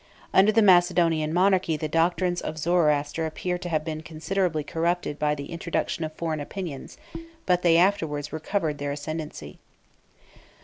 Under the Macedonian monarchy the doctrines of Zoroaster appear to have been considerably corrupted by the introduction of foreign opinions, but they afterwards recovered their ascendency.